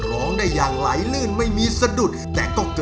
ร้องได้ให้ล้าน